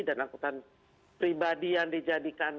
dan angkutan pribadi yang dijadikan